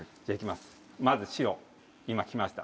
まず白今来ました。